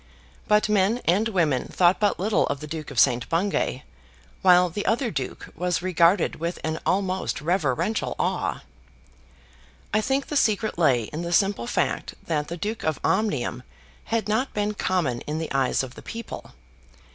But men and women thought but little of the Duke of St. Bungay, while the other duke was regarded with an almost reverential awe. I think the secret lay in the simple fact that the Duke of Omnium had not been common in the eyes of the people.